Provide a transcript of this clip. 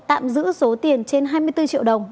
tạm giữ số tiền trên hai mươi bốn triệu đồng